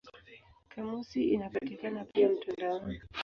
Kamusi inapatikana pia mtandaoni.